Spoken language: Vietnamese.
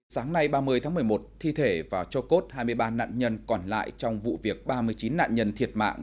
sáng nay ba mươi tháng một mươi một thi thể và cho cốt hai mươi ba nạn nhân còn lại trong vụ việc ba mươi chín nạn nhân thiệt mạng